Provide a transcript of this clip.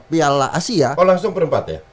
piala asia oh langsung perempat ya